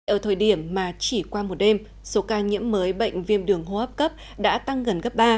ở thời điểm mà chỉ qua một đêm số ca nhiễm mới bệnh viêm đường hô hấp cấp đã tăng gần gấp ba